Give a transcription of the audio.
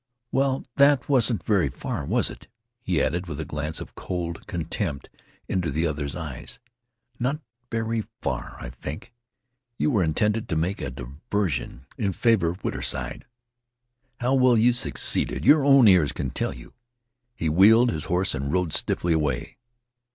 "Well, that wasn't very far, was it?" he added, with a glance of cold contempt into the other's eyes. "Not very far, I think. You were intended to make a diversion in favor of Whiterside. How well you succeeded your own ears can now tell you." He wheeled his horse and rode stiffly away.